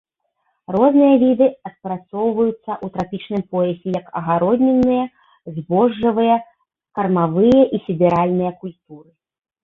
Розныя віды апрацоўваюцца ў трапічным поясе як агароднінныя, збожжавыя, кармавыя і сідэральныя культуры.